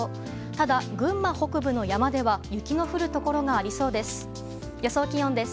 ただ、群馬北部の山では雪の降るところがありそうです。